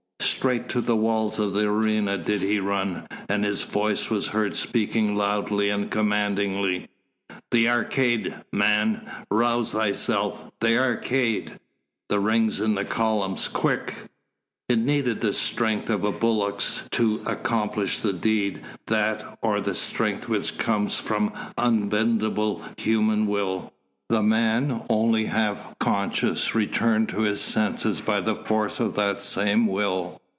Straight to the walls of the arena did he run, and his voice was heard speaking loudly and commandingly: "The arcade, man! Rouse thyself! The arcade! The rings in the columns! Quick!" It needed the strength of a bullock to accomplish the deed: that, or the strength which comes from unbendable human will. The man, only half conscious, returned to his senses by the force of that same will.